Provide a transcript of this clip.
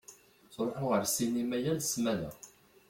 Ttṛuḥuɣ ar ssinima yal ssmana.